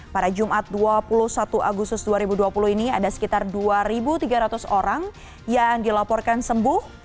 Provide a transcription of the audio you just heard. pada jumat dua puluh satu agustus dua ribu dua puluh ini ada sekitar dua tiga ratus orang yang dilaporkan sembuh